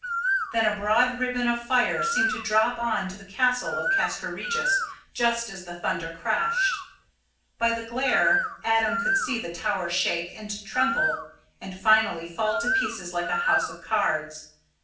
Then a broad ribbon of fire seemed to drop on to the tower of Castra Regis just as the thunder crashed. By the glare, Adam could see the tower shake and tremble, and finally fall to pieces like a house of cards.